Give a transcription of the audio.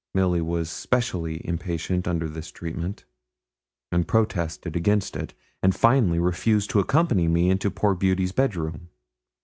Milly was specially impatient under this treatment, and protested against it, and finally refused to accompany me into poor Beauty's bed room.